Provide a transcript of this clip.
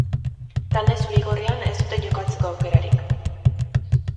Talde zuri-gorrian ez dute jokatzeko aukerarik.